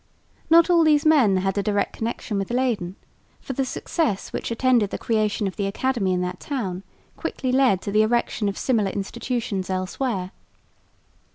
Not all these men had a direct connection with Leyden, for the success which attended the creation of the academy in that town quickly led to the erection of similar institutions elsewhere.